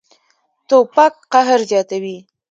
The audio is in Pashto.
توپک قهر زیاتوي.